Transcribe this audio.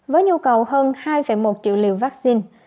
với nhu cầu hơn hai một triệu liều vaccine